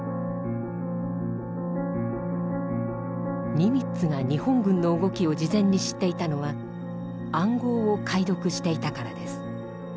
ニミッツが日本軍の動きを事前に知っていたのは暗号を解読していたからです。